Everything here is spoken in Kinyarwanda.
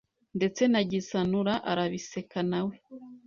ndetse na Gisanura arabiseka nawe